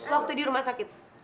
waktu di rumah sakit